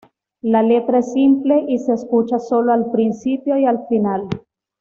La letra es simple, y se escucha solo al principio y al final.